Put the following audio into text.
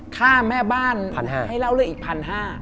ค่าแม่บ้าน๑๕๐๐ให้เล่าเรื่องอีก๑๕๐๐บาท